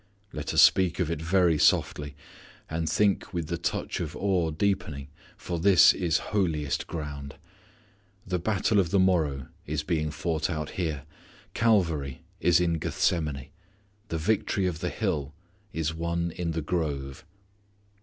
Let us speak of it very softly and think with the touch of awe deepening for this is holiest ground. The battle of the morrow is being fought out here. Calvary is in Gethsemane. The victory of the hill is won in the grove.